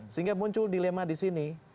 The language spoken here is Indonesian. sehingga muncul dilema di sini